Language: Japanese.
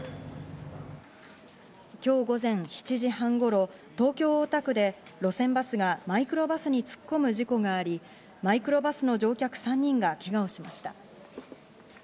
今日午前７時半頃、東京・大田区で路線バスがマイクロバスに突っ込む事故があり、マイクロバスの乗客３人がけがをしました。